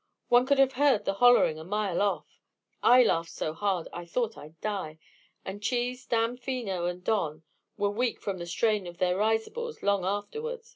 One could have heard the hollaring a mile off. I laughed so hard I thought I'd die, and Cheese, Damfino and Don were weak from the strain of their risibles long afterward.